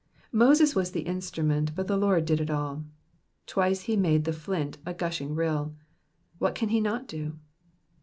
'*^ Moses was the instrument, but the Lord did it all. Twice he made the fiint ^gushing rill. What can he not do